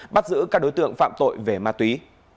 bắt giữ các đối tượng phạm tội về ma túy